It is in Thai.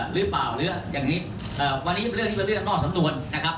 หรือเปล่าหรืออย่างนี้วันนี้เป็นเรื่องนี้เป็นเรื่องนอกสำนวน